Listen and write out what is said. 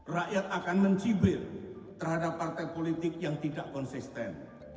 rakyat akan mencibir terhadap partai politik yang tidak konsisten